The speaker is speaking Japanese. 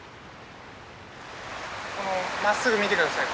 このまっすぐ見て下さい。